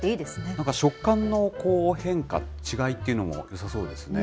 なんか、食感の変化、違いっていうのもよさそうですね。